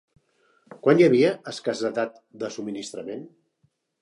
Quan hi havia escassetat de subministrament?